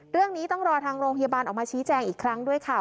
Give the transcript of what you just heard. เรื่องนี้ต้องรอทางโรงพยาบาลออกมาชี้แจงอีกครั้งด้วยค่ะ